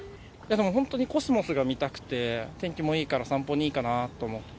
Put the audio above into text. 本当にコスモスが見たくて、天気もいいから散歩にいいかなと思って。